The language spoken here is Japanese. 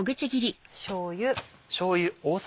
しょうゆ。